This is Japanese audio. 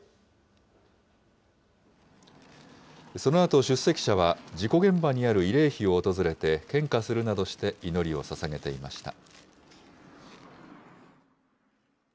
そのあと出席者は、事故現場にある慰霊碑を訪れて献花するなどして祈りをささげていました。